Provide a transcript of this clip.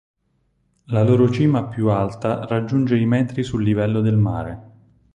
La loro cima più alta raggiunge i metri sul livello del mare.